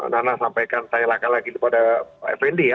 nah nah nah sampaikan saya lagi pada pak fnd ya